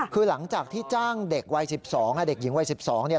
คือหลังจากที่จ้างเด็กวัยสิบสองค่ะเด็กหญิงวัยสิบสองเนี่ย